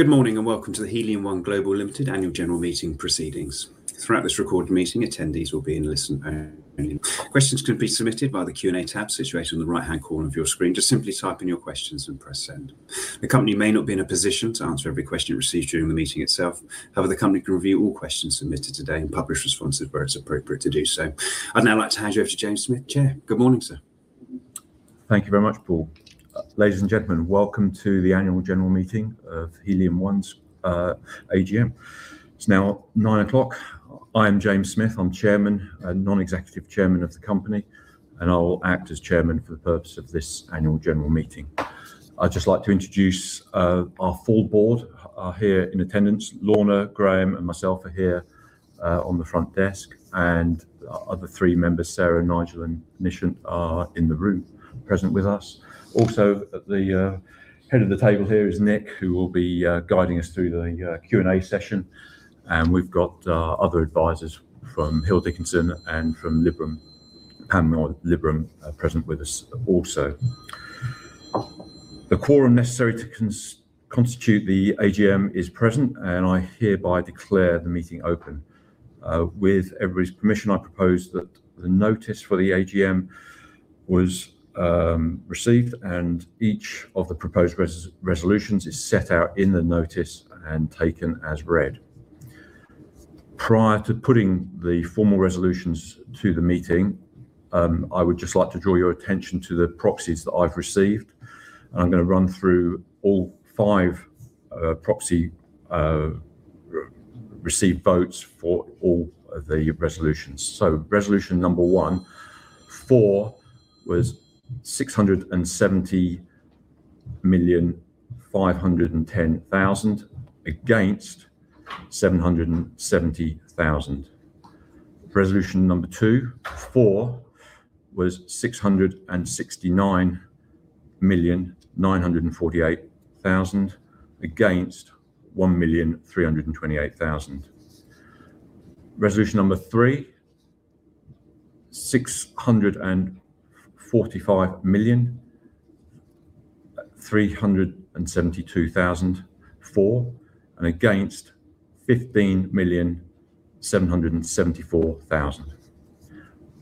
Good morning and welcome to the Helium One Global Limited annual general meeting proceedings. Throughout this recorded meeting, attendees will be in listen only. Questions can be submitted via the Q&A tab situated in the right-hand corner of your screen. Just simply type in your questions and press send. The company may not be in a position to answer every question received during the meeting itself. However, the company can review all questions submitted today and publish responses where it's appropriate to do so. I'd now like to hand you over to James Smith, Chair. Good morning, sir. Thank you very much, Paul. Ladies and gentlemen, welcome to the annual general meeting of Helium One's AGM. It's now 9:00 A.M. I am James Smith. I'm Chairman, Non-Executive Chairman of the company, and I will act as Chairman for the purpose of this annual general meeting. I'd just like to introduce our full board, are here in attendance. Lorna, Graham, and myself are here on the front desk. Our other three members, Sarah, Nigel, and Nishant, are in the room present with us. Also, at the head of the table here is Nick, who will be guiding us through the Q&A session. We've got our other advisors from Hill Dickinson and from Liberum, Panmure Liberum, present with us also. The quorum necessary to constitute the AGM is present, and I hereby declare the meeting open. With everybody's permission, I propose that the notice for the AGM was received, and each of the proposed resolutions is set out in the notice and taken as read. Prior to putting the formal resolutions to the meeting, I would just like to draw your attention to the proxies that I've received, and I'm going to run through all five proxy received votes for all of the resolutions. Resolution number one. For was 670,510,000. Against, 770,000. Resolution number two. For was 669,948,000. Against, 1,328,000. Resolution number three. 645,372,000 for. Against, 15,774,000.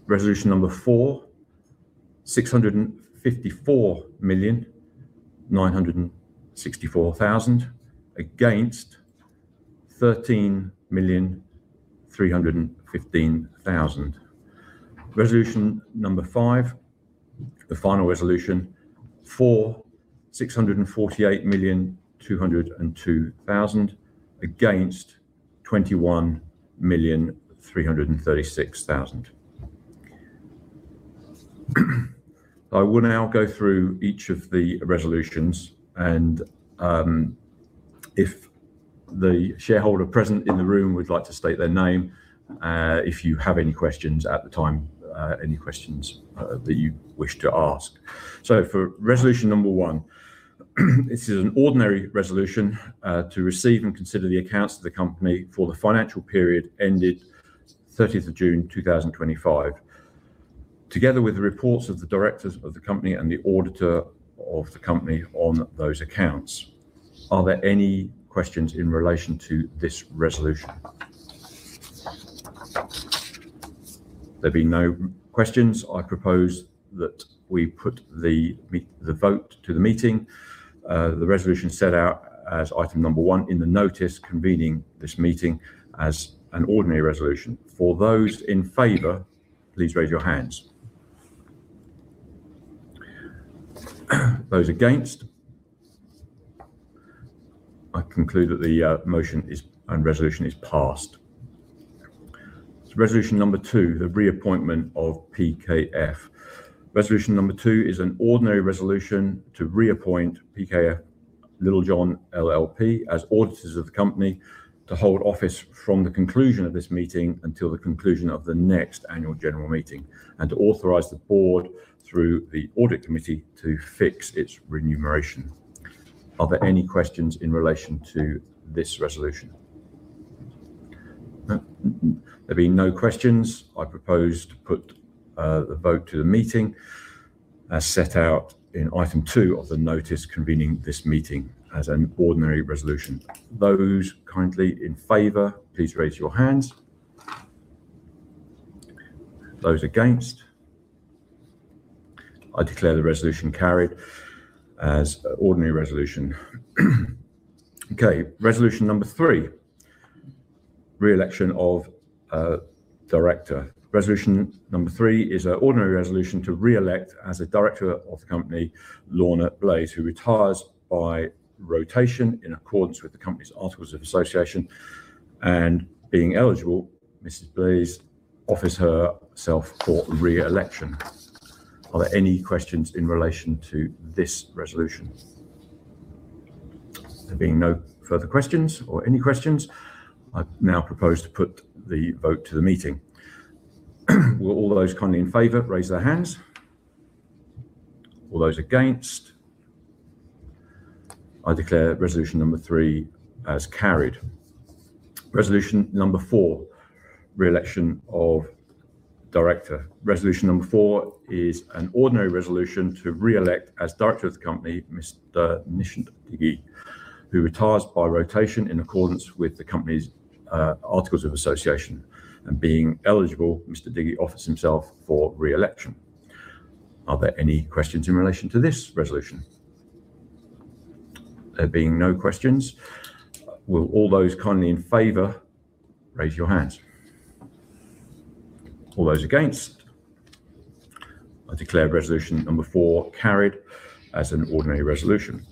Resolution number four. 654,964,000. Against, 13,315,000. Resolution number 5, the final resolution. For, 648,202,000. Against, 21,336,000. I will now go through each of the resolutions, and if the shareholder present in the room would like to state their name, if you have any questions at the time, any questions that you wish to ask. For resolution number 1, this is an ordinary resolution to receive and consider the accounts of the company for the financial period ended 30th of June, 2025. Together with the reports of the directors of the company and the auditor of the company on those accounts. Are there any questions in relation to this resolution? There being no questions, I propose that we put the vote to the meeting. The resolution set out as item number 1 in the notice convening this meeting as an ordinary resolution. For those in favor, please raise your hands. Those against? I conclude that the motion and resolution is passed. Resolution number 2, the reappointment of PKF. Resolution number 2 is an ordinary resolution to reappoint PKF Littlejohn LLP as auditors of the company to hold office from the conclusion of this meeting until the conclusion of the next annual general meeting, and to authorize the board, through the audit committee, to fix its remuneration. Are there any questions in relation to this resolution? No. There being no questions, I propose to put the vote to the meeting as set out in item 2 of the notice convening this meeting as an ordinary resolution. Those kindly in favor, please raise your hands. Those against? I declare the resolution carried as ordinary resolution. Okay, resolution number 3. Re-election of a director. Resolution number 3 is an ordinary resolution to re-elect as a director of the company, Lorna Blaisse, who retires by rotation in accordance with the company's articles of association. Being eligible, Mrs. Blaisse offers herself for re-election. Are there any questions in relation to this resolution? There being no further questions or any questions, I now propose to put the vote to the meeting. Will all those kindly in favor raise their hands? All those against? I declare resolution number 3 as carried. Resolution number 4, re-election of director. Resolution number 4 is an ordinary resolution to re-elect as director of the company, Mr. Nishant Dighe, who retires by rotation in accordance with the company's articles of association. Being eligible, Mr. Dighe offers himself for re-election. Are there any questions in relation to this resolution? There being no questions. Will all those kindly in favor raise your hands. All those against. I declare resolution number four carried as an ordinary resolution.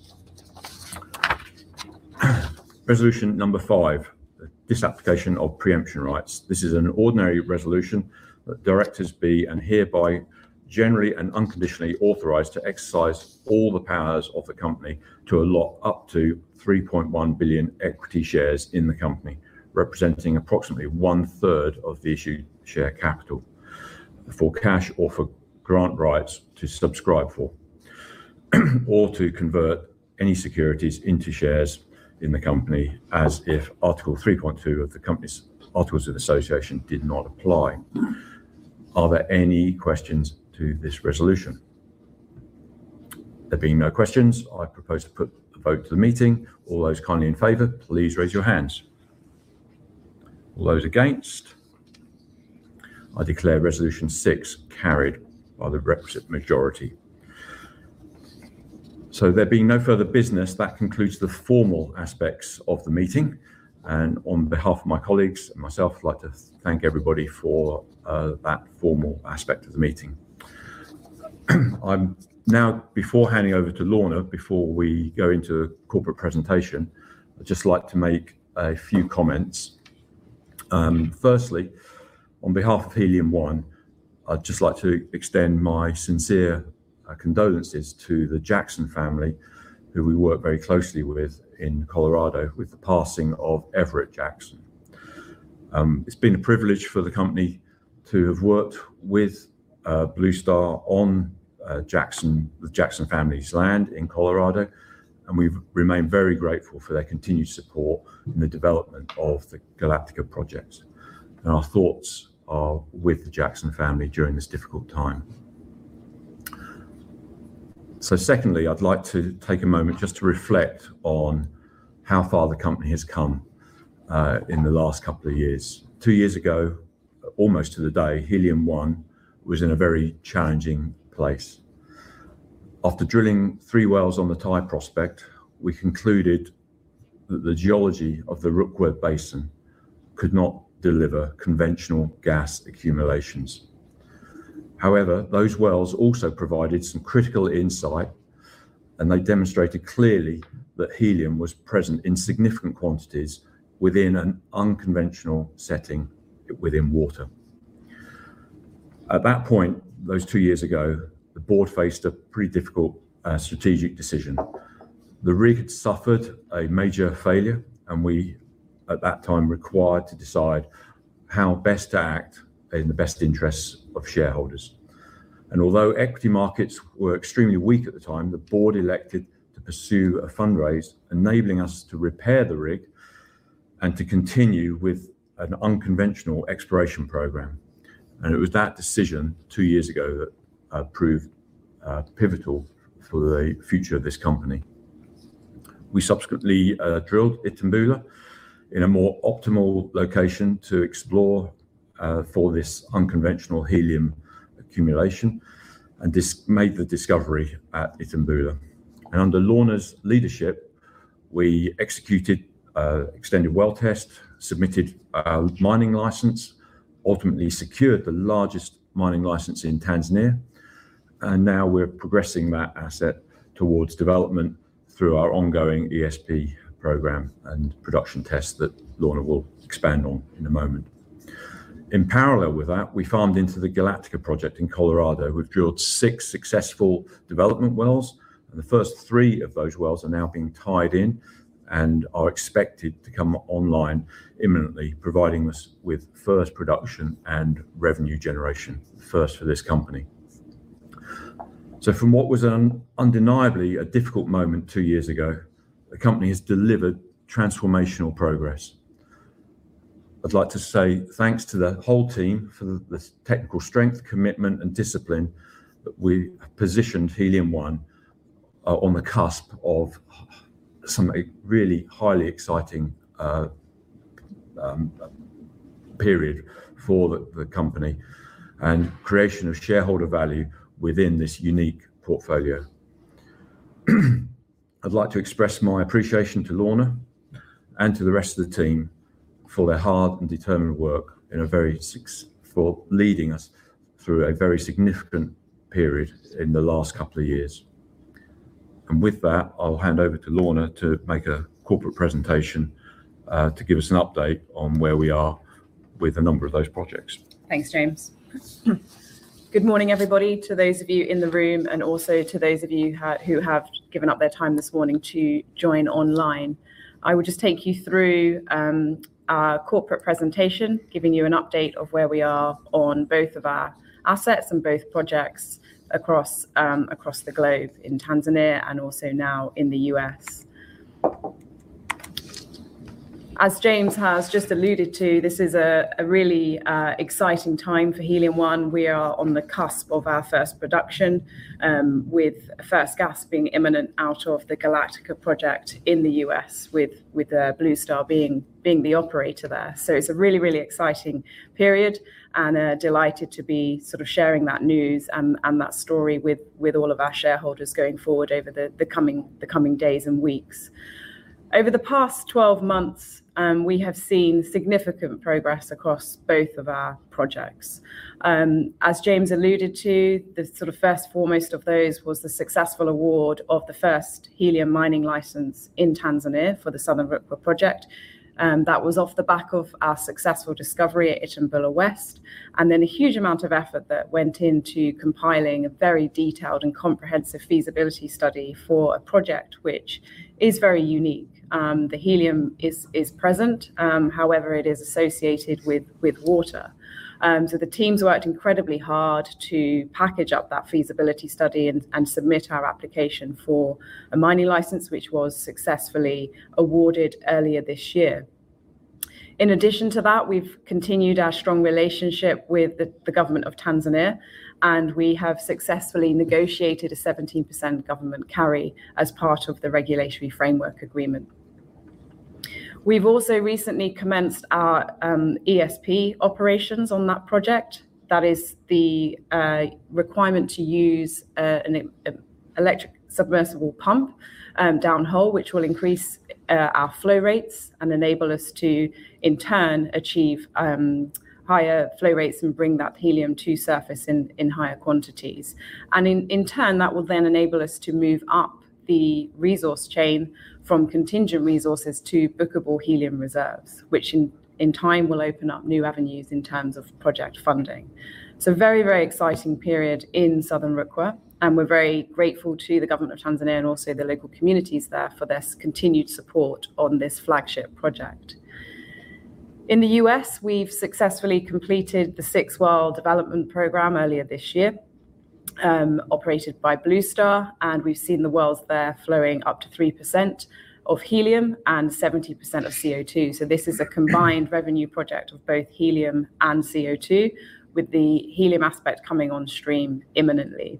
Resolution number five, disapplication of preemption rights. This is an ordinary resolution that directors be, and hereby generally and unconditionally authorized to exercise all the powers of the company to allot up to 3.1 billion equity shares in the company, representing approximately one-third of the issued share capital for cash or for grant rights to subscribe for or to convert any securities into shares in the company, as if Article 3.2 of the company's articles of association did not apply. Are there any questions to this resolution? There being no questions, I propose to put the vote to the meeting. All those kindly in favor, please raise your hands. All those against. I declare resolution six carried by the requisite majority. There being no further business, that concludes the formal aspects of the meeting, and on behalf of my colleagues and myself, I'd like to thank everybody for that formal aspect of the meeting. Now, before handing over to Lorna, before we go into the corporate presentation, I'd just like to make a few comments. Firstly, on behalf of Helium One, I'd just like to extend my sincere condolences to the Jackson family, who we work very closely with in Colorado, with the passing of Everett Jackson. It's been a privilege for the company to have worked with Blue Star Helium on the Jackson family's land in Colorado, and we remain very grateful for their continued support in the development of the Galactica project. Our thoughts are with the Jackson family during this difficult time. Secondly, I'd like to take a moment just to reflect on how far the company has come in the last couple of years. Two years ago, almost to the day, Helium One was in a very challenging place. After drilling three wells on the Tai prospect, we concluded that the geology of the Rukwa Basin could not deliver conventional gas accumulations. However, those wells also provided some critical insight, and they demonstrated clearly that helium was present in significant quantities within an unconventional setting within water. At that point, those two years ago, the board faced a pretty difficult strategic decision. The rig had suffered a major failure, and we, at that time, required to decide how best to act in the best interests of shareholders. Although equity markets were extremely weak at the time, the board elected to pursue a fundraise, enabling us to repair the rig and to continue with an unconventional exploration program. It was that decision two years ago that proved pivotal for the future of this company. We subsequently drilled Itumbula in a more optimal location to explore for this unconventional helium accumulation and made the discovery at Itumbula. Under Lorna's leadership, we executed extended well test, submitted a mining license, ultimately secured the largest mining license in Tanzania. Now we're progressing that asset towards development through our ongoing ESP program and production test that Lorna will expand on in a moment. In parallel with that, we farmed into the Galactica project in Colorado. We've drilled six successful development wells, and the first three of those wells are now being tied in and are expected to come online imminently, providing us with first production and revenue generation first for this company. From what was undeniably a difficult moment two years ago, the company has delivered transformational progress. I'd like to say thanks to the whole team for the technical strength, commitment, and discipline that we have positioned Helium One on the cusp of a really highly exciting period for the company and creation of shareholder value within this unique portfolio. I'd like to express my appreciation to Lorna and to the rest of the team for their hard and determined work for leading us through a very significant period in the last couple of years. With that, I'll hand over to Lorna to make a corporate presentation, to give us an update on where we are with a number of those projects. Thanks, James. Good morning, everybody. To those of you in the room and also to those of you who have given up their time this morning to join online. I will just take you through our corporate presentation, giving you an update of where we are on both of our assets and both projects across the globe in Tanzania and also now in the U.S. As James has just alluded to, this is a really exciting time for Helium One. We are on the cusp of our first production, with first gas being imminent out of the Galactica project in the U.S., with Blue Star being the operator there. It's a really, really exciting period, and delighted to be sort of sharing that news and that story with all of our shareholders going forward over the coming days and weeks. Over the past 12 months, we have seen significant progress across both of our projects. As James alluded to, the first and foremost of those was the successful award of the first helium mining license in Tanzania for the Southern Rukwa project. That was off the back of our successful discovery at Itumbula West, and then a huge amount of effort that went into compiling a very detailed and comprehensive feasibility study for a project which is very unique. The helium is present, however, it is associated with water. The teams worked incredibly hard to package up that feasibility study and submit our application for a mining license, which was successfully awarded earlier this year. In addition to that, we've continued our strong relationship with the government of Tanzania, and we have successfully negotiated a 17% government carry as part of the regulatory framework agreement. We've also recently commenced our ESP operations on that project. That is the requirement to use an electric submersible pump downhole, which will increase our flow rates and enable us to, in turn, achieve higher flow rates and bring that helium to surface in higher quantities. In turn, that will then enable us to move up the resource chain from contingent resources to bookable helium reserves, which in time will open up new avenues in terms of project funding. It's a very, very exciting period in Southern Rukwa, and we're very grateful to the government of Tanzania and also the local communities there for their continued support on this flagship project. In the U.S., we've successfully completed the six-well development program earlier this year, operated by Blue Star, and we've seen the wells there flowing up to 3% of helium and 70% of CO2. This is a combined revenue project of both helium and CO2, with the helium aspect coming on stream imminently.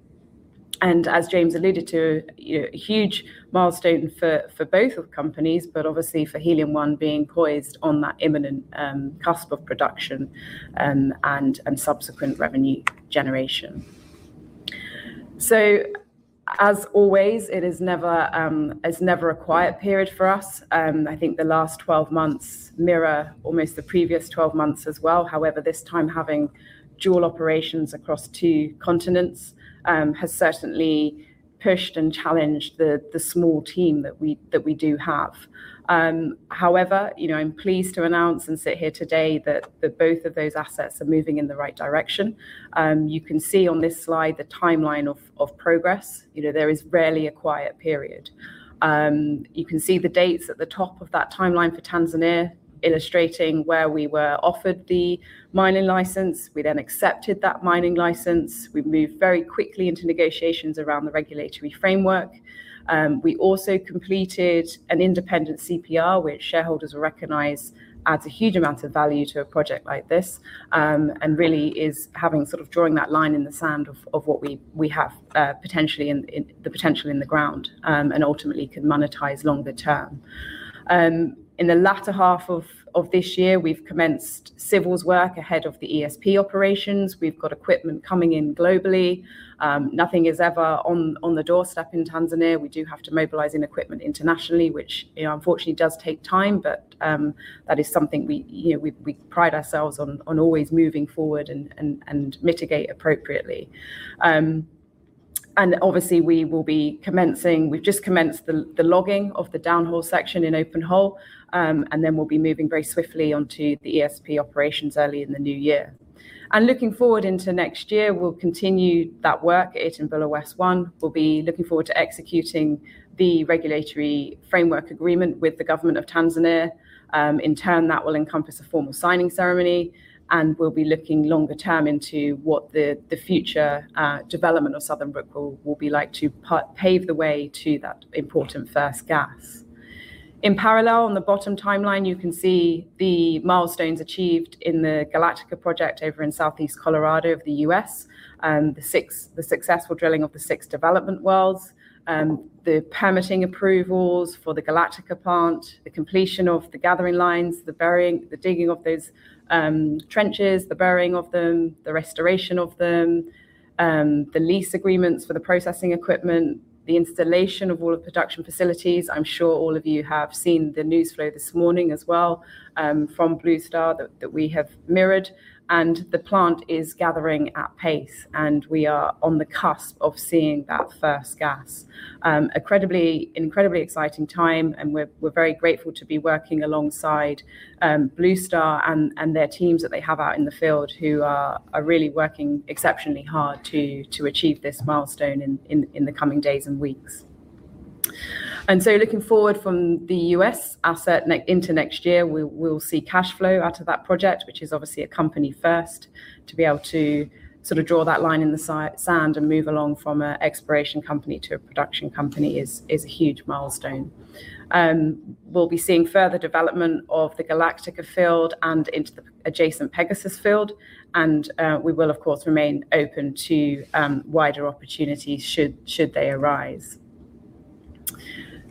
As James alluded to, a huge milestone for both companies, but obviously for Helium One being poised on that imminent cusp of production and subsequent revenue generation. As always, it is never a quiet period for us. I think the last 12 months mirror almost the previous 12 months as well. However, this time having dual operations across two continents has certainly pushed and challenged the small team that we do have. However, I'm pleased to announce and sit here today that both of those assets are moving in the right direction. You can see on this slide the timeline of progress. There is rarely a quiet period. You can see the dates at the top of that timeline for Tanzania, illustrating where we were offered the mining license. We then accepted that mining license. We've moved very quickly into negotiations around the regulatory framework. We also completed an independent CPR, which shareholders will recognize adds a huge amount of value to a project like this, and really is having sort of drawing that line in the sand of what we have potentially in the ground, and ultimately can monetize longer term. In the latter half of this year, we've commenced civils work ahead of the ESP operations. We've got equipment coming in globally. Nothing is ever on the doorstep in Tanzania. We do have to mobilize equipment internationally, which unfortunately does take time, but that is something we pride ourselves on always moving forward and mitigate appropriately. We've just commenced the logging of the downhole section in open hole, and then we'll be moving very swiftly onto the ESP operations early in the new year. Looking forward into next year, we'll continue that work at Itumbula West One. We'll be looking forward to executing the regulatory framework agreement with the government of Tanzania. In turn, that will encompass a formal signing ceremony, and we'll be looking longer term into what the future development of Southern Rukwa will be like to pave the way to that important first gas. In parallel, on the bottom timeline, you can see the milestones achieved in the Galactica project over in Southeast Colorado in the U.S., the successful drilling of the six development wells, the permitting approvals for the Galactica plant, the completion of the gathering lines, the digging of those trenches, the burying of them, the restoration of them, the lease agreements for the processing equipment, the installation of all the production facilities. I'm sure all of you have seen the news flow this morning as well from Blue Star that we have mirrored, and the plant is gathering pace, and we are on the cusp of seeing that first gas. Incredibly exciting time, and we're very grateful to be working alongside Blue Star and their teams that they have out in the field who are really working exceptionally hard to achieve this milestone in the coming days and weeks. Looking forward from the U.S. asset into next year, we will see cash flow out of that project, which is obviously a company first to be able to sort of draw that line in the sand and move along from an exploration company to a production company is a huge milestone. We'll be seeing further development of the Galactica field and into the adjacent Pegasus field, and we will, of course, remain open to wider opportunities should they arise.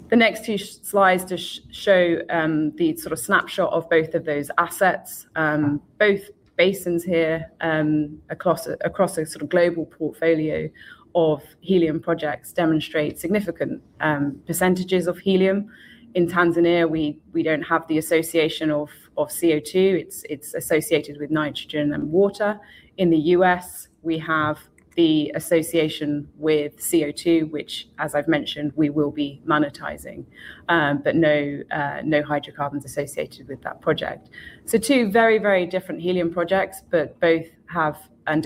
The next two slides just show the sort of snapshot of both of those assets. Both basins here, across a sort of global portfolio of helium projects, demonstrate significant percentages of helium. In Tanzania, we don't have the association of CO2. It's associated with nitrogen and water. In the U.S., we have the association with CO2, which, as I've mentioned, we will be monetizing, but no hydrocarbons associated with that project. Two very different helium projects, but both have and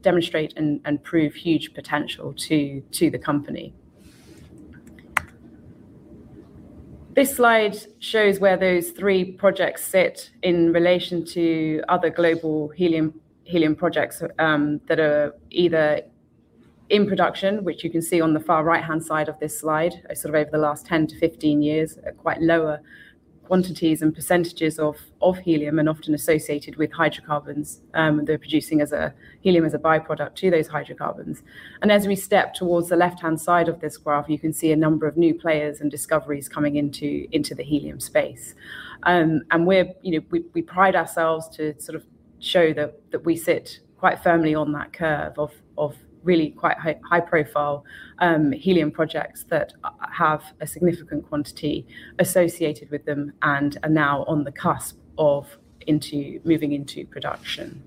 demonstrate and prove huge potential to the company. This slide shows where those three projects sit in relation to other global helium projects that are either in production, which you can see on the far right-hand side of this slide, sort of over the last 10-15 years, at quite lower quantities and percentages of helium and often associated with hydrocarbons. They're producing helium as a byproduct to those hydrocarbons. As we step towards the left-hand side of this graph, you can see a number of new players and discoveries coming into the helium space. We pride ourselves to sort of show that we sit quite firmly on that curve of really quite high-profile helium projects that have a significant quantity associated with them and are now on the cusp of moving into production.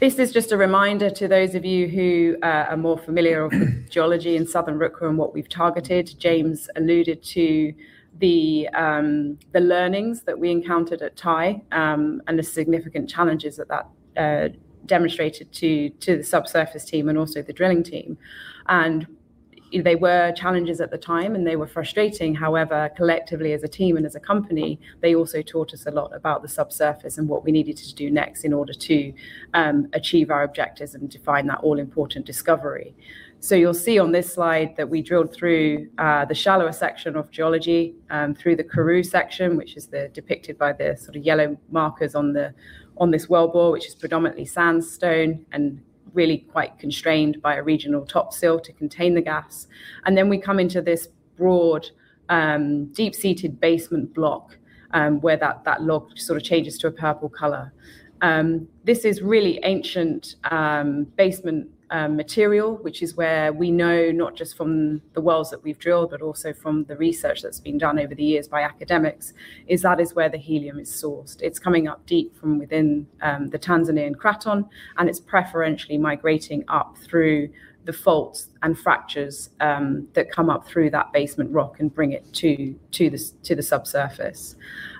This is just a reminder to those of you who are more familiar with geology in Southern Rukwa and what we've targeted. James alluded to the learnings that we encountered at Tai, and the significant challenges that that demonstrated to the subsurface team and also the drilling team. They were challenges at the time, and they were frustrating. However, collectively as a team and as a company, they also taught us a lot about the subsurface and what we needed to do next in order to achieve our objectives and to find that all-important discovery. So you'll see on this slide that we drilled through the shallower section of geology through the Karoo section, which is depicted by the sort of yellow markers on this wellbore, which is predominantly sandstone and really quite constrained by a regional top seal to contain the gas. We come into this broad, deep-seated basement block, where that log sort of changes to a purple color. This is really ancient basement material, which is where we know, not just from the wells that we've drilled, but also from the research that's been done over the years by academics, is that where the helium is sourced. It's coming up deep from within the Tanzanian craton, and it's preferentially migrating up through the faults and fractures that come up through that basement rock and bring it to the subsurface.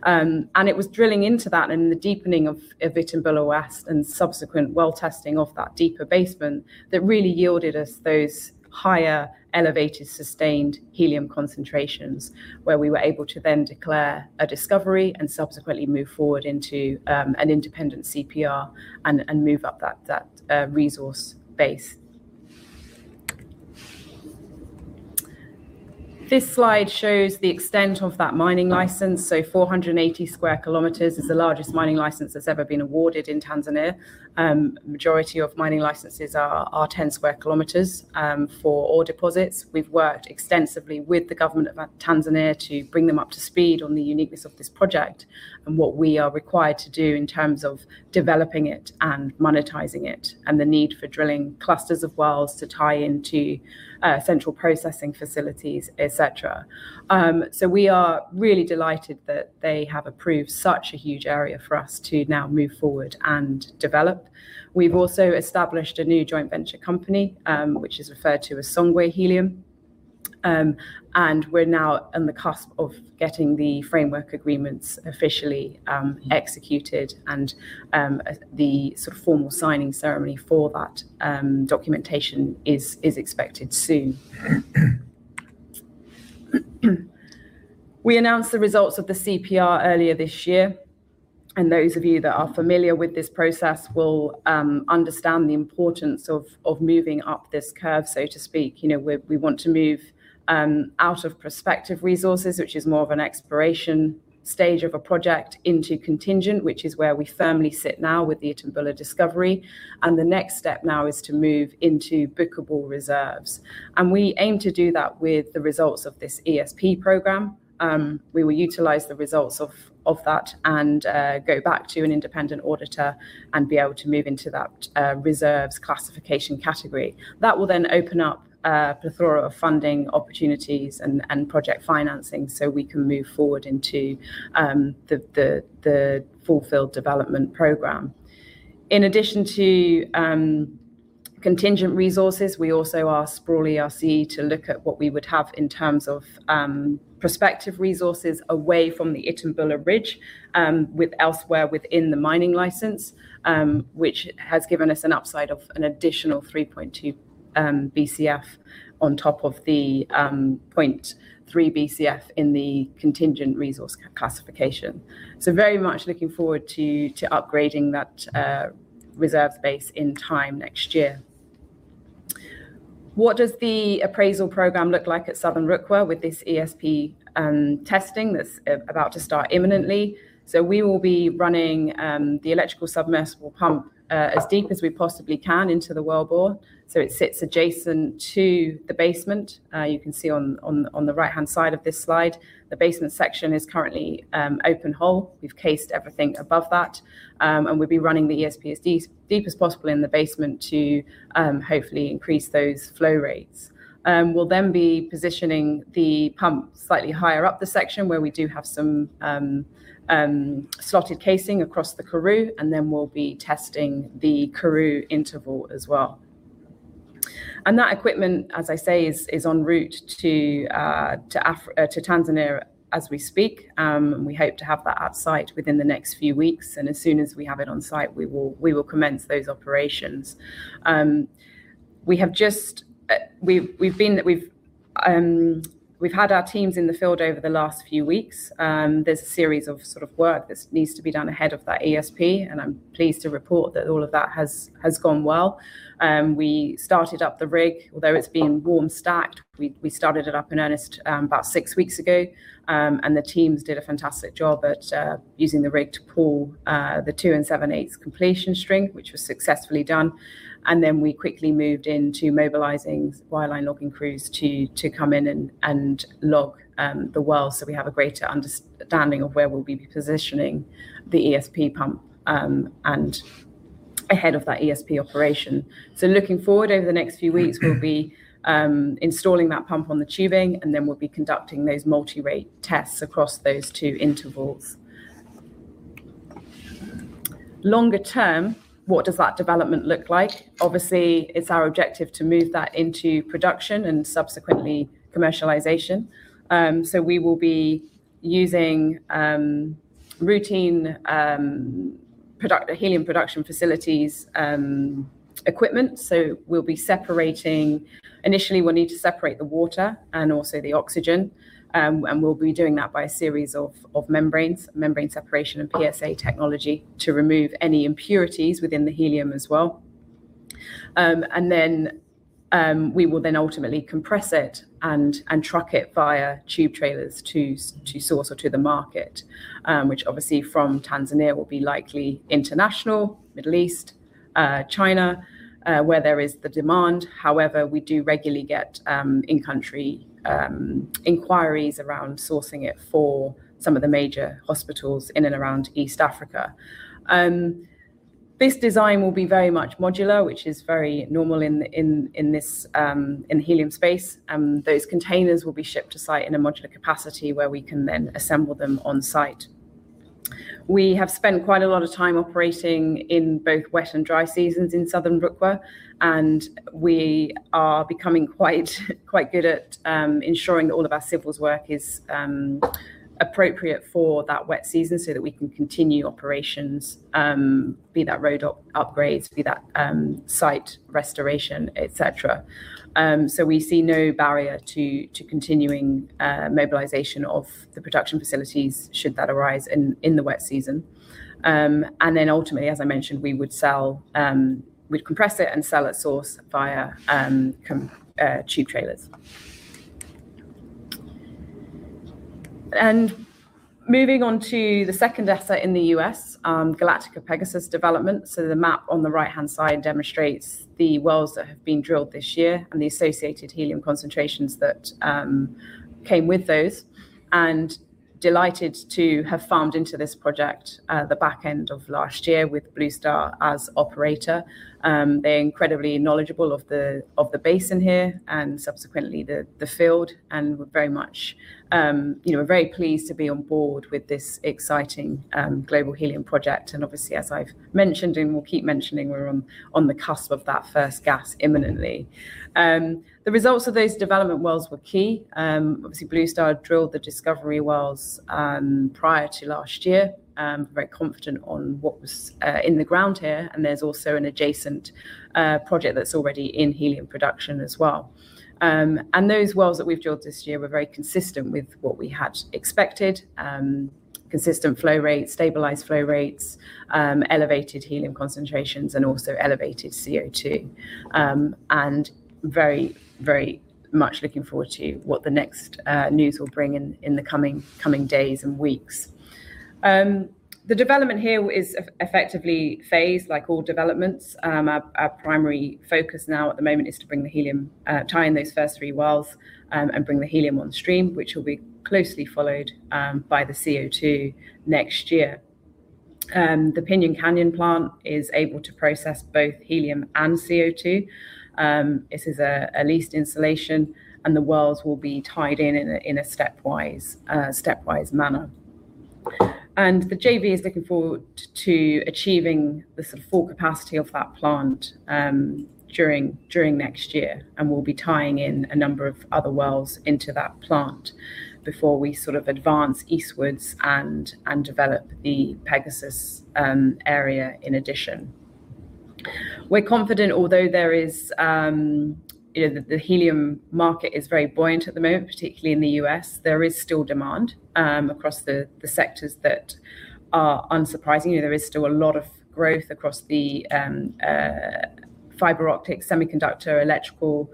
It was drilling into that and the deepening of Itumbula West and subsequent well testing of that deeper basement that really yielded us those higher, elevated, sustained helium concentrations where we were able to then declare a discovery and subsequently move forward into an independent CPR and move up that resource base. This slide shows the extent of that mining license. 480 sq km is the largest mining license that's ever been awarded in Tanzania. Majority of mining licenses are 10 sq km for ore deposits. We've worked extensively with the government of Tanzania to bring them up to speed on the uniqueness of this project and what we are required to do in terms of developing it and monetizing it, and the need for drilling clusters of wells to tie into central processing facilities, et cetera. We are really delighted that they have approved such a huge area for us to now move forward and develop. We've also established a new joint venture company, which is referred to as Songwe Helium. We're now on the cusp of getting the framework agreements officially executed and the sort of formal signing ceremony for that documentation is expected soon. We announced the results of the CPR earlier this year, and those of you that are familiar with this process will understand the importance of moving up this curve, so to speak. We want to move out of prospective resources, which is more of an exploration stage of a project, into contingent, which is where we firmly sit now with the Itumbula West discovery. The next step now is to move into bookable reserves. We aim to do that with the results of this ESP program. We will utilize the results of that and go back to an independent auditor and be able to move into that reserves classification category. That will then open up a plethora of funding opportunities and project financing so we can move forward into the full field development program. In addition to contingent resources. We also asked Sproule ERC to look at what we would have in terms of prospective resources away from the Itumbula Ridge with elsewhere within the mining license, which has given us an upside of an additional 3.2 Bcf on top of the 0.3 Bcf in the contingent resource classification. Very much looking forward to upgrading that reserve space in time next year. What does the appraisal program look like at Southern Rukwa with this ESP testing that's about to start imminently? We will be running the electric submersible pump as deep as we possibly can into the well bore, so it sits adjacent to the basement. You can see on the right-hand side of this slide, the basement section is currently open hole. We've cased everything above that. We'll be running the ESP as deep as possible in the basement to hopefully increase those flow rates. We'll then be positioning the pump slightly higher up the section where we do have some slotted casing across the Karoo, and then we'll be testing the Karoo interval as well. That equipment, as I say, is en route to Tanzania as we speak. We hope to have that on site within the next few weeks, and as soon as we have it on site, we will commence those operations. We've had our teams in the field over the last few weeks. There's a series of sort of work that needs to be done ahead of that ESP, and I'm pleased to report that all of that has gone well. We started up the rig. Although it's been warm stacked, we started it up in earnest about six weeks ago. The teams did a fantastic job at using the rig to pull the 2 7/8 completion string, which was successfully done. We quickly moved into mobilizing wireline logging crews to come in and log the well so we have a greater understanding of where we'll be positioning the ESP pump ahead of that ESP operation. Looking forward over the next few weeks, we'll be installing that pump on the tubing, and then we'll be conducting those multi-rate tests across those two intervals. Longer term, what does that development look like? Obviously, it's our objective to move that into production and subsequently commercialization. We will be using routine helium production facilities equipment. Initially, we'll need to separate the water and also the oxygen, and we'll be doing that by a series of membrane separation and PSA technology to remove any impurities within the helium as well. We will then ultimately compress it and truck it via tube trailers to ports or to the market, which obviously from Tanzania will be likely international, Middle East, China, where there is the demand. However, we do regularly get in-country inquiries around sourcing it for some of the major hospitals in and around East Africa. This design will be very much modular, which is very normal in helium space. Those containers will be shipped to site in a modular capacity where we can then assemble them on-site. We have spent quite a lot of time operating in both wet and dry seasons in Southern Rukwa, and we are becoming quite good at ensuring that all of our civils work is appropriate for that wet season so that we can continue operations, be that road upgrades, be that site restoration, et cetera. We see no barrier to continuing mobilization of the production facilities should that arise in the wet season. Ultimately, as I mentioned, we'd compress it and sell at source via tube trailers. Moving on to the second asset in the U.S., Galactica-Pegasus development. The map on the right-hand side demonstrates the wells that have been drilled this year and the associated helium concentrations that came with those. Delighted to have farmed into this project at the back end of last year with Blue Star as operator. They're incredibly knowledgeable of the basin here and subsequently the field, and we're very pleased to be on board with this exciting global helium project. Obviously, as I've mentioned and will keep mentioning, we're on the cusp of that first gas imminently. The results of those development wells were key. Obviously, Blue Star drilled the discovery wells prior to last year. Very confident on what was in the ground here, and there's also an adjacent project that's already in helium production as well. Those wells that we've drilled this year were very consistent with what we had expected. Consistent flow rates, stabilized flow rates, elevated helium concentrations, and also elevated CO2. Very much looking forward to what the next news will bring in the coming days and weeks. The development here is effectively phased like all developments. Our primary focus now at the moment is to tie in those first three wells and bring the helium on stream, which will be closely followed by the CO2 next year. The Pinyon Canyon plant is able to process both helium and CO2. This is a leased installation, and the wells will be tied in a stepwise manner. The JV is looking forward to achieving the full capacity of that plant during next year. We'll be tying in a number of other wells into that plant before we advance eastwards and develop the Pegasus area in addition. We're confident, although the helium market is very buoyant at the moment, particularly in the U.S., there is still demand across the sectors that are unsurprisingly, there is still a lot of growth across the fiber optic, semiconductor, electrical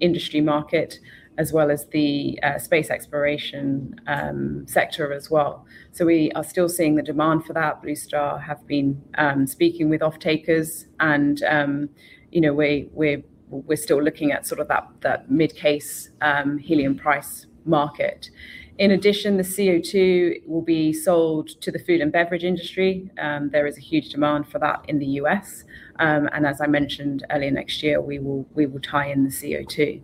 industry market, as well as the space exploration sector as well. We are still seeing the demand for that. Blue Star Helium have been speaking with off-takers and we're still looking at sort of that mid-case helium price market. In addition, the CO2 will be sold to the food and beverage industry. There is a huge demand for that in the U.S., and as I mentioned earlier, next year we will tie in the CO2.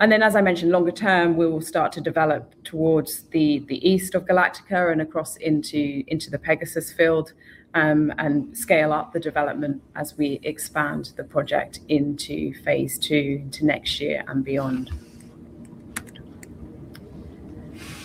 As I mentioned, longer term, we will start to develop towards the east of Galactica and across into the Pegasus Field, and scale up the development as we expand the project into phase two into next year and beyond.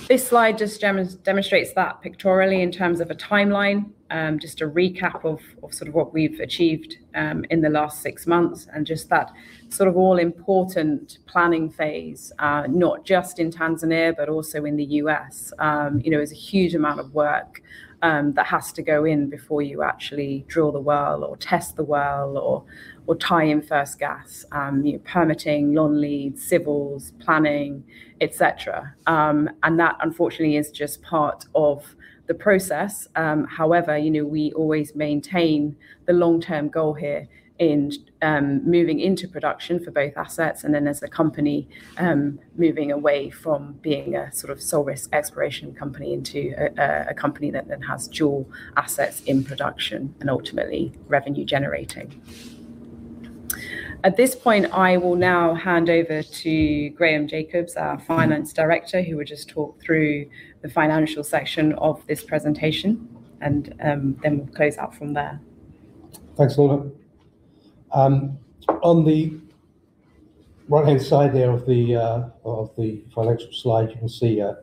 This slide just demonstrates that pictorially in terms of a timeline. Just a recap of sort of what we've achieved in the last six months and just that all-important planning phase, not just in Tanzania but also in the U.S. There's a huge amount of work that has to go in before you actually drill the well or test the well or tie in first gas. Permitting, long leads, civils, planning, et cetera. That, unfortunately, is just part of the process. However, we always maintain the long-term goal here in moving into production for both assets and then as the company moving away from being a sort of sole risk exploration company into a company that has dual assets in production and ultimately revenue generating. At this point, I will now hand over to Graham Jacobs, our Finance Director, who will just talk through the financial section of this presentation and then we'll close out from there. Thanks, Lorna. On the right-hand side there of the financial slide, you can see a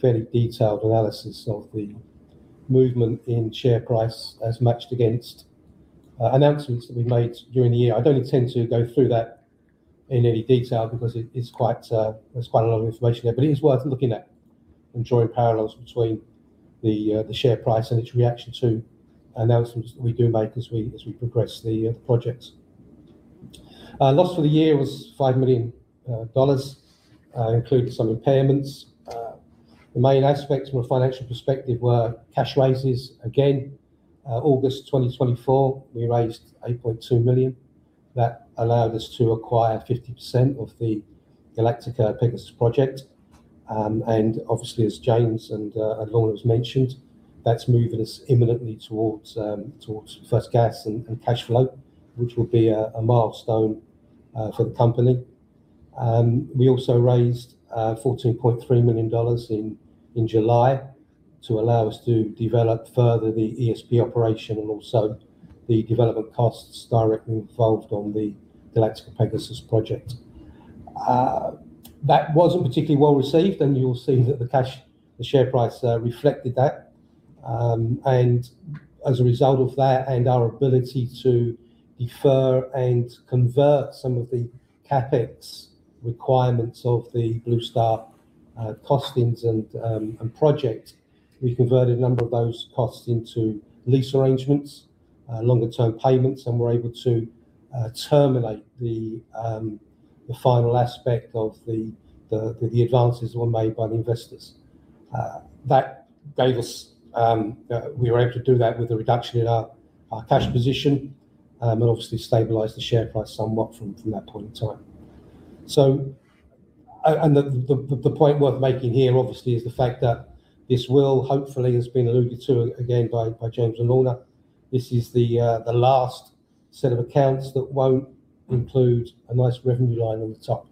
fairly detailed analysis of the movement in share price as matched against announcements that we made during the year. I don't intend to go through that in any detail because there's quite a lot of information there, but it is worth looking at and drawing parallels between the share price and its reaction to announcements that we do make as we progress the projects. Loss for the year was $5 million, including some repayments. The main aspects from a financial perspective were cash raises. Again August 2024, we raised $8.2 million. That allowed us to acquire 50% of the Galactica-Pegasus project. Obviously as James and Lorna have mentioned, that's moving us imminently towards first gas and cash flow, which will be a milestone for the company. We also raised $14.3 million in July to allow us to develop further the ESP operation and also the development costs directly involved on the Galactica-Pegasus project. That wasn't particularly well received, and you will see that the share price reflected that. As a result of that and our ability to defer and convert some of the CapEx requirements of the Blue Star costings and project, we converted a number of those costs into lease arrangements, longer-term payments, and we're able to terminate the final aspect of the advances that were made by the investors. We were able to do that with a reduction in our cash position, and obviously stabilized the share price somewhat from that point in time. The point worth making here obviously is the fact that this will hopefully, as has been alluded to again by James and Lorna, this is the last set of accounts that won't include a nice revenue line on the top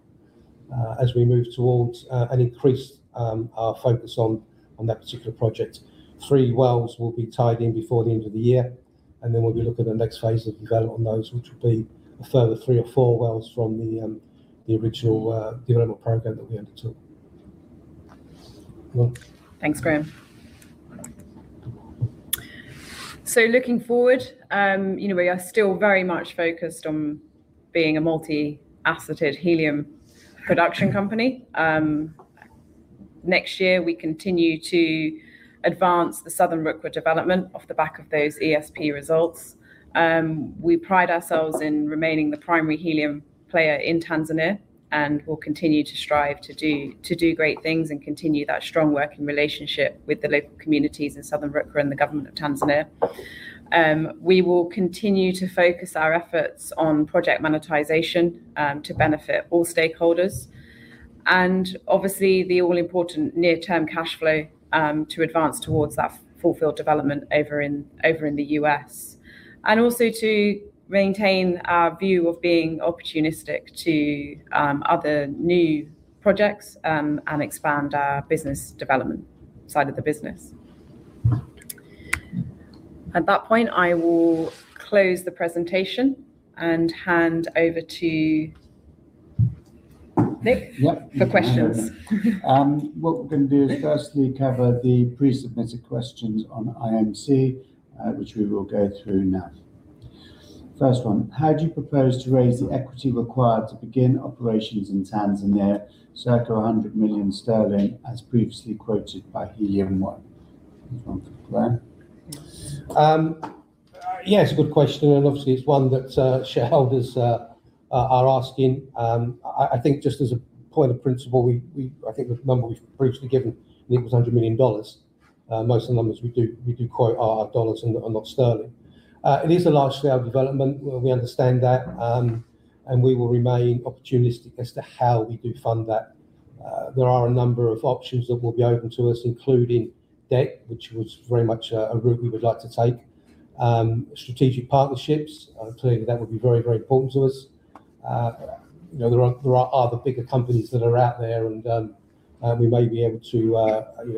as we move towards an increased focus on that particular project. Three wells will be tied in before the end of the year, and then we'll be looking at the next phase of development on those, which will be a further three or four wells from the original development program that we undertook. Lorna. Thanks, Graham. Looking forward, we are still very much focused on being a multi-asset helium production company. Next year, we continue to advance the Southern Rukwa development off the back of those ESP results. We pride ourselves in remaining the primary helium player in Tanzania and will continue to strive to do great things and continue that strong working relationship with the local communities in Southern Rukwa and the government of Tanzania. We will continue to focus our efforts on project monetization to benefit all stakeholders, and obviously the all-important near-term cashflow to advance towards that full-field development over in the U.S. Also to maintain our view of being opportunistic to other new projects and expand our business development side of the business. At that point, I will close the presentation and hand over to Nick for questions. What we're going to do is firstly cover the pre-submitted questions on IMC, which we will go through now. First one, how do you propose to raise the equity required to begin operations in Tanzania, circa 100 million sterling, as previously quoted by Helium One? One for Graham. Yes, a good question, and obviously it's one that shareholders are asking. I think just as a point of principle, I think the number we've previously given I think was $100 million. Most of the numbers we do quote are dollars and are not sterling. It is a large-scale development. We understand that, and we will remain opportunistic as to how we do fund that. There are a number of options that will be open to us, including debt, which was very much a route we would like to take. Strategic partnerships, clearly that would be very, very important to us. There are other bigger companies that are out there and we may be able to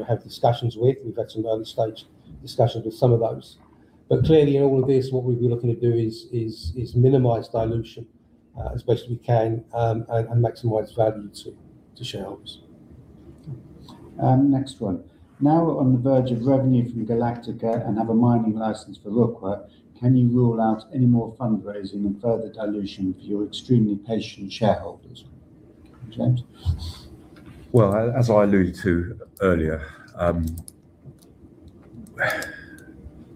have discussions with. We've had some early-stage discussions with some of those. Clearly in all of this, what we'll be looking to do is minimize dilution as best we can and maximize value to shareholders. Next one. Now we're on the verge of revenue from Galactica and have a mining license for Rukwa, can you rule out any more fundraising and further dilution for your extremely patient shareholders? James? Well, as I alluded to earlier,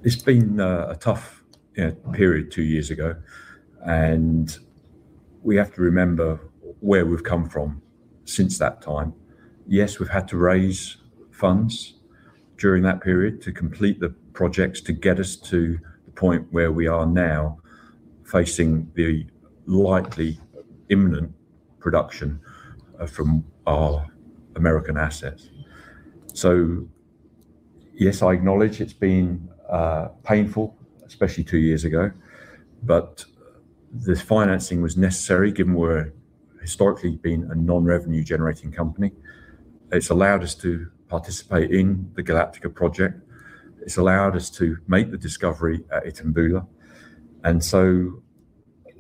it's been a tough period two years ago, and we have to remember where we've come from since that time. Yes, we've had to raise funds during that period to complete the projects to get us to the point where we are now, facing the likely imminent production from our American assets. Yes, I acknowledge it's been painful, especially two years ago, but this financing was necessary given we're historically been a non-revenue generating company. It's allowed us to participate in the Galactica project. It's allowed us to make the discovery at Itumbula.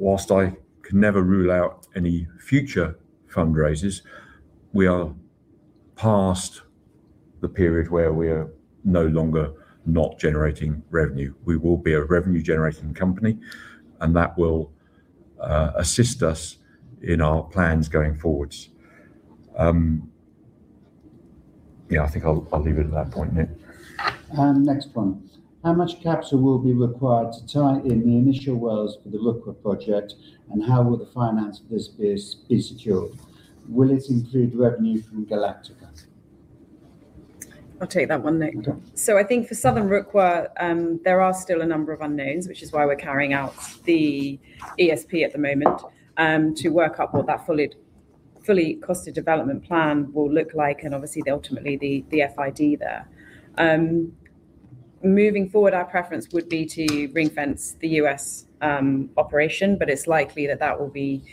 Whilst I can never rule out any future fundraisers, we are past the period where we are no longer not generating revenue. We will be a revenue generating company, and that will assist us in our plans going forwards. Yeah, I think I'll leave it at that point, Nick. Next one. How much capital will be required to tie in the initial wells for the Rukwa project, and how will the financing of this be secured? Will it include revenue from Galactica? I'll take that one, Nick. Okay. I think for Southern Rukwa, there are still a number of unknowns, which is why we're carrying out the ESP at the moment, to work up what that fully costed development plan will look like and obviously ultimately the FID there. Moving forward, our preference would be to ring-fence the U.S. operation, but it's likely that that will be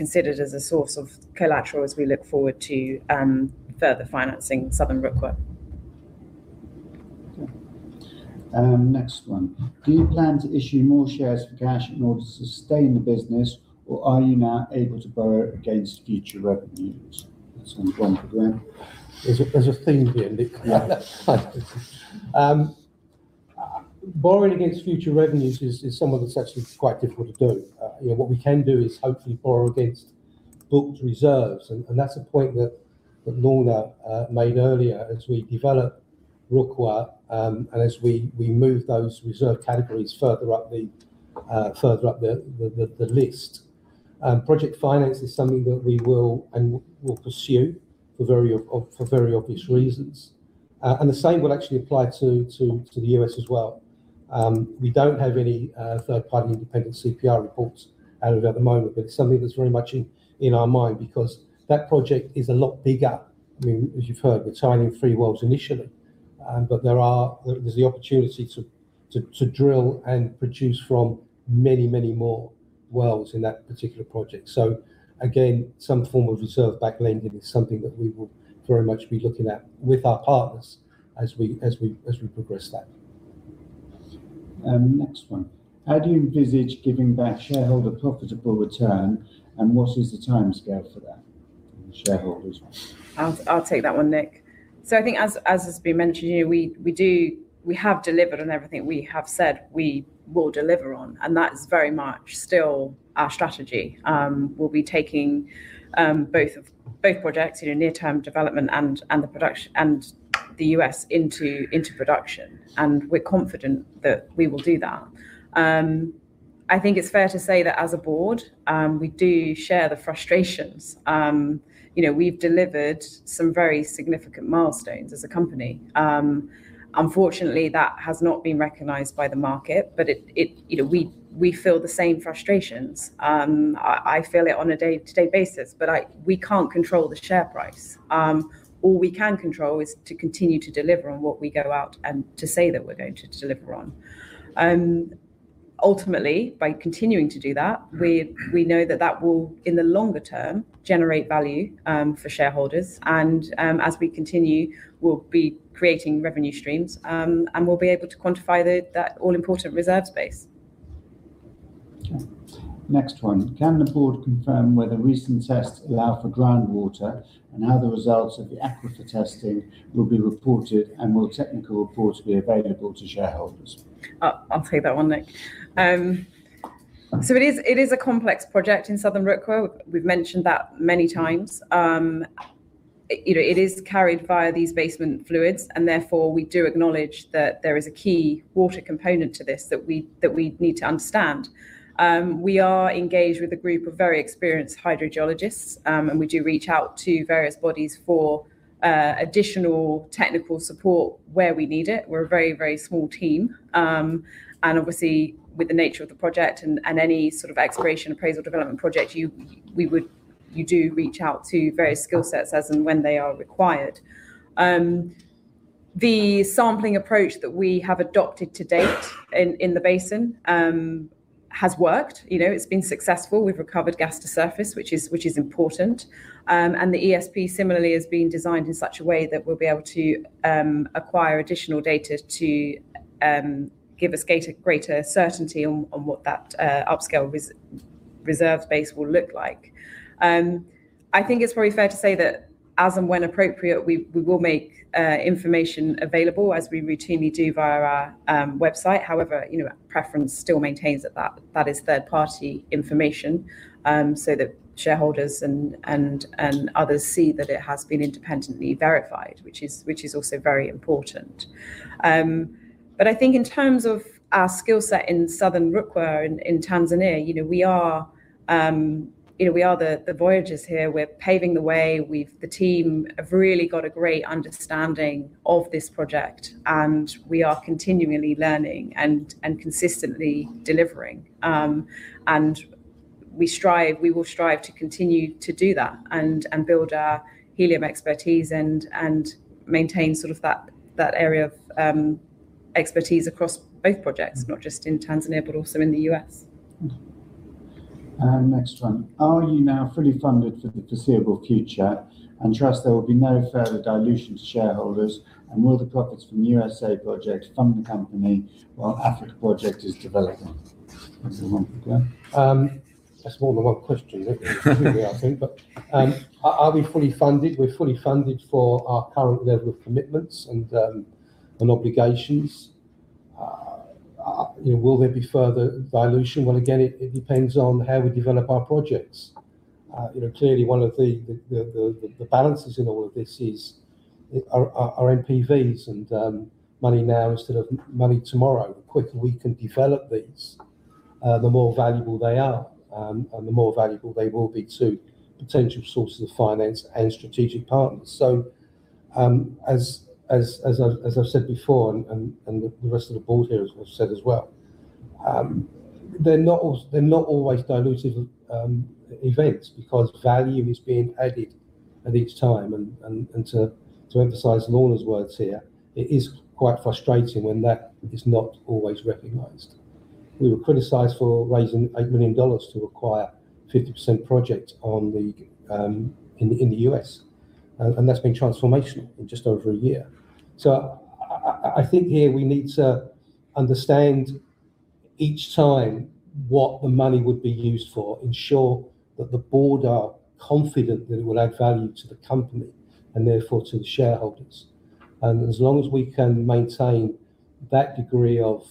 considered as a source of collateral as we look forward to further financing Southern Rukwa. Next one. Do you plan to issue more shares for cash in order to sustain the business, or are you now able to borrow against future revenues? That's one for Graham. There's a theme here, Nick. Borrowing against future revenues is something that's actually quite difficult to do. What we can do is hopefully borrow against booked reserves, and that's a point that Lorna made earlier as we develop Rukwa, and as we move those reserve categories further up the list. Project finance is something that we will pursue for very obvious reasons. The same will actually apply to the U.S. as well. We don't have any third-party independent CPR reports out at the moment, but it's something that's very much in our mind because that project is a lot bigger. As you've heard, we're tying in 3 wells initially. There's the opportunity to drill and produce from many, many more wells in that particular project. Some form of reserve-backed lending is something that we will very much be looking at with our partners as we progress that. Next one. How do you envisage giving back shareholder profitable return, and what is the timescale for that? A shareholder's one. I'll take that one, Nick. I think as has been mentioned here, we have delivered on everything we have said we will deliver on, and that is very much still our strategy. We'll be taking both projects, near-term development and the US into production, and we're confident that we will do that. I think it's fair to say that as a board, we do share the frustrations. We've delivered some very significant milestones as a company. Unfortunately, that has not been recognized by the market, but we feel the same frustrations. I feel it on a day-to-day basis, but we can't control the share price. All we can control is to continue to deliver on what we go out and to say that we're going to deliver on. Ultimately, by continuing to do that, we know that that will, in the longer term, generate value for shareholders. As we continue, we'll be creating revenue streams, and we'll be able to quantify that all-important reserve space. Okay. Next one. Can the board confirm whether recent tests allow for groundwater, and how the results of the aquifer testing will be reported, and will technical reports be available to shareholders? I'll take that one, Nick. It is a complex project in Southern Rukwa. We've mentioned that many times. It is carried via these basement fluids, and therefore we do acknowledge that there is a key water component to this that we need to understand. We are engaged with a group of very experienced hydrogeologists, and we do reach out to various bodies for additional technical support where we need it. We're a very small team. Obviously with the nature of the project and any sort of exploration appraisal development project, you do reach out to various skill sets as and when they are required. The sampling approach that we have adopted to date in the basin has worked. It's been successful. We've recovered gas to surface, which is important. The ESP similarly is being designed in such a way that we'll be able to acquire additional data to give us greater certainty on what that upscale reserve base will look like. I think it's probably fair to say that as and when appropriate, we will make information available as we routinely do via our website. However, Preference still maintains that that is third-party information, so that shareholders and others see that it has been independently verified, which is also very important. I think in terms of our skill set in Southern Rukwa in Tanzania, we are the voyagers here. We're paving the way. The team have really got a great understanding of this project, and we are continually learning and consistently delivering. We will strive to continue to do that and build our helium expertise and maintain that area of expertise across both projects, not just in Tanzania, but also in the U.S. Next one. Are you now fully funded for the foreseeable future, and trust there will be no further dilution to shareholders, and will the profits from the USA project fund the company while Africa project is developing? That's the one, Graham. That's more than one question. Two, I think. Are we fully funded? We're fully funded for our current level of commitments and obligations. Will there be further dilution? Well, again, it depends on how we develop our projects. Clearly one of the balances in all of this is our NPV and money now instead of money tomorrow. The quicker we can develop these, the more valuable they are, and the more valuable they will be to potential sources of finance and strategic partners. As I've said before, and the rest of the board here has said as well, they're not always dilutive events because value is being added at each time. To emphasize Lorna's words here, it is quite frustrating when that is not always recognized. We were criticized for raising $8 million to acquire 50% project in the US, and that's been transformational in just over a year. I think here we need to understand each time what the money would be used for, ensure that the board are confident that it will add value to the company, and therefore to the shareholders. As long as we can maintain that degree of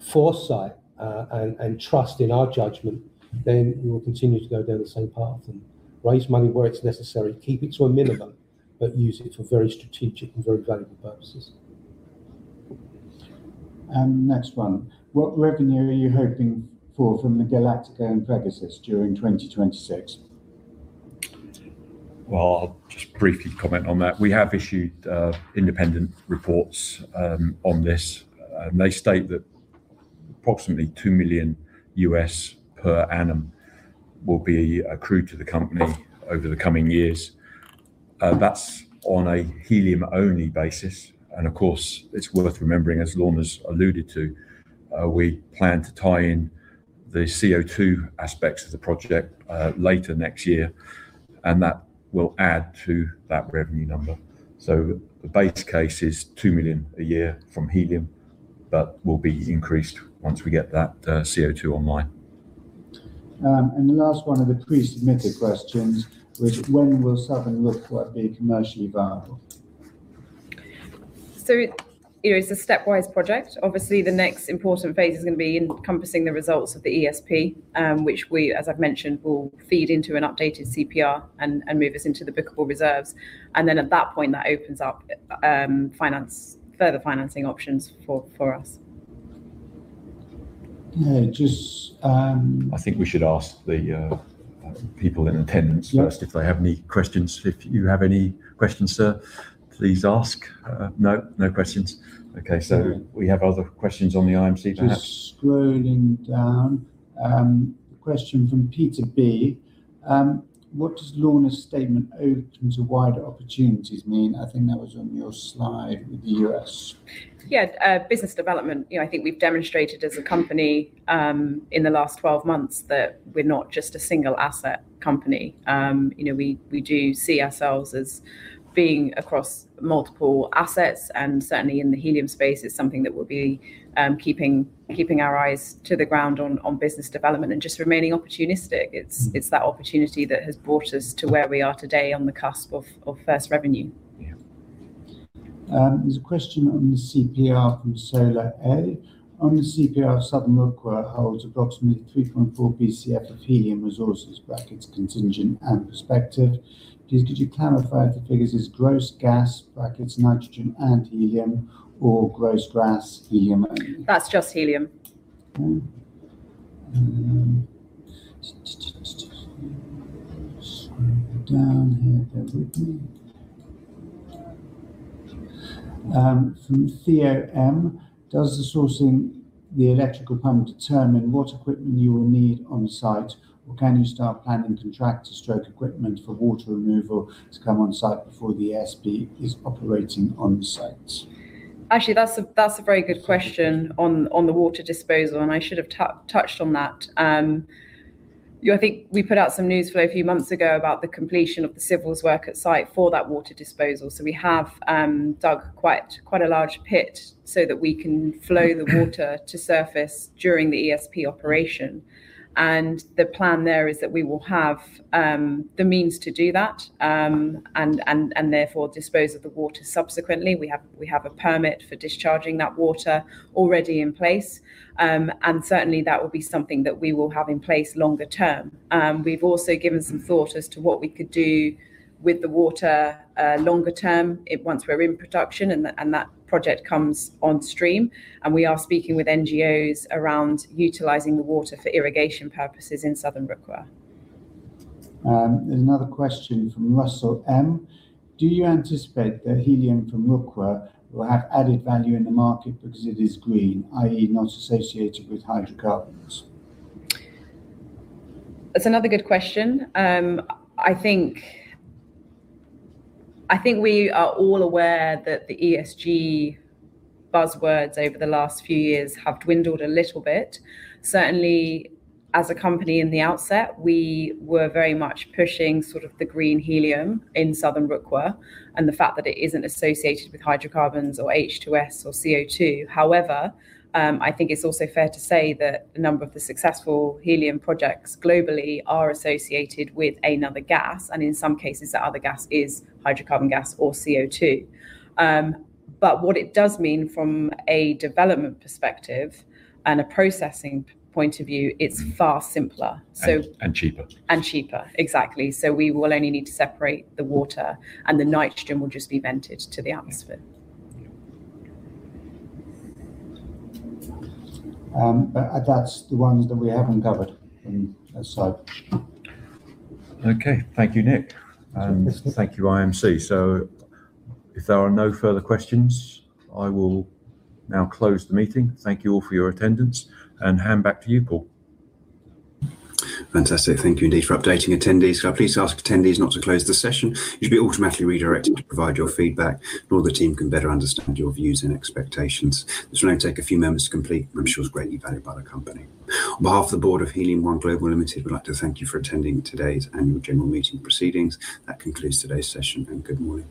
foresight, and trust in our judgment, then we will continue to go down the same path and raise money where it's necessary, keep it to a minimum, but use it for very strategic and very valuable purposes. Next one. What revenue are you hoping for from the Galactica and Pegasus during 2026? Well, I'll just briefly comment on that. We have issued independent reports on this. They state that approximately $2 million per annum will be accrued to the company over the coming years. That's on a helium-only basis, and of course, it's worth remembering, as Lorna's alluded to, we plan to tie in the CO2 aspects of the project later next year, and that will add to that revenue number. The base case is $2 million a year from helium, but will be increased once we get that CO2 online. The last one of the pre-submitted questions was, when will Southern Rukwa be commercially viable? It is a stepwise project. Obviously the next important phase is going to be encompassing the results of the ESP, which we, as I've mentioned, will feed into an updated CPR and move us into the bookable reserves. At that point, that opens up further financing options for us. Just- I think we should ask the people in attendance first if they have any questions. If you have any questions, sir, please ask. No? No questions. Okay. We have other questions on the IMC perhaps? Scrolling down. Question from Peter B. What does Lorna's statement open to wider opportunities mean? I think that was on your slide with the U.S. Yeah. Business development. I think we've demonstrated as a company, in the last 12 months, that we're not just a single asset company. We do see ourselves as being across multiple assets and certainly in the helium space is something that we'll be keeping our eyes to the ground on business development and just remaining opportunistic. It's that opportunity that has brought us to where we are today on the cusp of first revenue. Yeah. There's a question on the CPR from Solar A. On the CPR, Southern Rukwa holds approximately 3.4 Bcf of helium resources (contingent and prospective). Please could you clarify if the figures is gross gas (nitrogen and helium), or gross gas helium only? That's just helium. Okay. Scrolling down here a bit. From Theo M. Does the sourcing the electric submersible pump determine what equipment you will need on site, or can you start planning contractor/equipment for water removal to come on site before the ESP is operating on site? Actually, that's a very good question on the water disposal, and I should've touched on that. I think we put out some news a few months ago about the completion of the civils work at site for that water disposal, so we have dug quite a large pit so that we can flow the water to surface during the ESP operation. The plan there is that we will have the means to do that, and therefore dispose of the water subsequently. We have a permit for discharging that water already in place. Certainly that will be something that we will have in place longer term. We've also given some thought as to what we could do with the water longer term once we're in production and that project comes on stream, and we are speaking with NGOs around utilizing the water for irrigation purposes in Southern Rukwa. There's another question from Russell M. Do you anticipate that helium from Rukwa will have added value in the market because it is green, i.e., not associated with hydrocarbons? That's another good question. I think we are all aware that the ESG buzzwords over the last few years have dwindled a little bit. Certainly as a company in the outset, we were very much pushing sort of the green helium in Southern Rukwa, and the fact that it isn't associated with hydrocarbons or H2S or CO2. However, I think it's also fair to say that a number of the successful helium projects globally are associated with another gas, and in some cases that other gas is hydrocarbon gas or CO2. What it does mean from a development perspective and a processing point of view, it's far simpler. Cheaper. Cheaper, exactly. We will only need to separate the water, and the nitrogen will just be vented to the atmosphere. That's the ones that we haven't covered in this slide. Okay. Thank you, Nick. Thank you, IMC. If there are no further questions, I will now close the meeting. Thank you all for your attendance, and hand back to you, Paul. Fantastic. Thank you indeed for updating attendees. Can I please ask attendees not to close the session? You'll be automatically redirected to provide your feedback so the team can better understand your views and expectations. This will only take a few moments to complete and I'm sure is greatly valued by the company. On behalf of the board of Helium One Global Limited, we'd like to thank you for attending today's annual general meeting proceedings. That concludes today's session, and good morning.